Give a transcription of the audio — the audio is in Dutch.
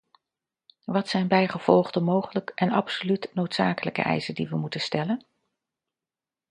Wat zijn bijgevolg de mogelijke en absoluut noodzakelijke eisen die we moeten stellen?